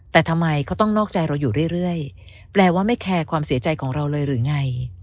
แต่ทำไมเขาต้องนอกใจเราอยู่เรื่อยแปลว่าไม่แคร์ความเสียใจของเราเลยหรือไง